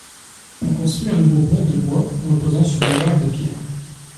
On construit un nouveau pont de bois reposant sur des arcs de pierre.